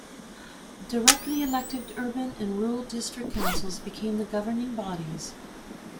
Directly elected urban and rural district councils became the governing bodies.